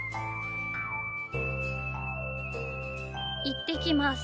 いってきます。